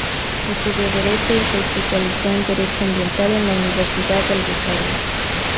Estudió Derecho y se especializó en Derecho Ambiental en la Universidad del Rosario.